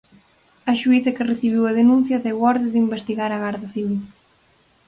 A xuíza que recibiu a denuncia deu orde de investigar a Garda Civil.